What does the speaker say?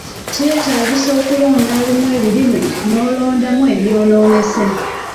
Kyetagisa okulonda lumu ebirime n'olondoola ebyonoonese.